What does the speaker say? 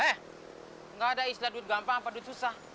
eh gak ada islah duit gampang apa duit susah